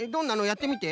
やってみて。